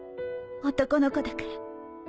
男の子だから